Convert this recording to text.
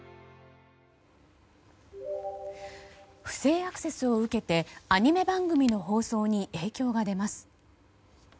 不正アクセスを受けてアニメ番組の放送に影響が出ます。